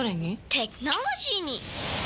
テクノロジーに！